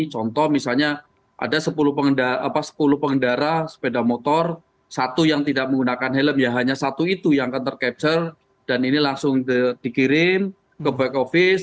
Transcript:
contoh misalnya ada sepuluh pengendara sepeda motor satu yang tidak menggunakan helm ya hanya satu itu yang akan tercapture dan ini langsung dikirim ke back office